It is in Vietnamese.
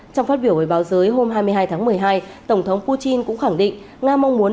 trong phát biểu với báo giới hôm hai mươi hai tháng một mươi hai tổng thống putin cũng khẳng định nga mong muốn